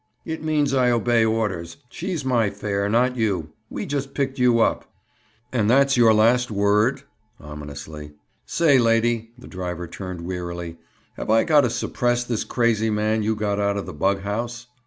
"It means I obey orders. She's my 'fare,' not you. We just picked you up." "And that's your last word?" Ominously. "Say, lady"—the driver turned wearily—"have I got to suppress this crazy man you got out of the bughouse?"